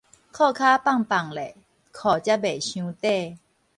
褲跤放放咧，褲才袂傷短